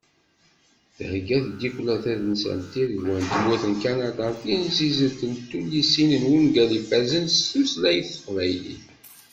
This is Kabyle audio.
Thegga-d tiddukla tadelsant Tiregwa n tmurt n Kanada timsizzelt n tullisin d wungal ifazen s tutlayt n teqbaylit